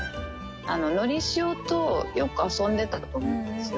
のりしおとよく遊んでたと思うんですよ。